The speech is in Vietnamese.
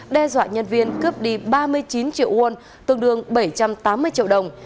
đe dọa nhân viên cướp đi ba mươi chín triệu won tương đương bảy trăm tám mươi triệu đồng